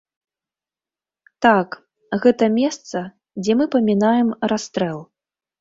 Так, гэта месца, дзе мы памінаем расстрэл.